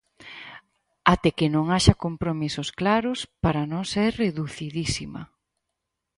Até que non haxa compromisos claros, para nós é reducidísima.